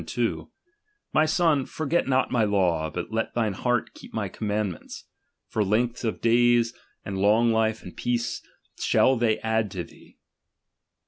1,2; My son, ,^^^orget not my law, hut let thine heart keep my commandments ; for length of days, and long life, ^:md peace, shall they add to thee.